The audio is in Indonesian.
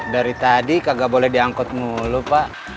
dari tadi kagak boleh diangkut mulu pak